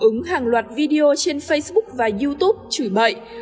ứng hàng loạt video trên facebook và youtube chửi bậy